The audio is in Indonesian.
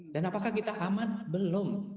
dan apakah kita aman belum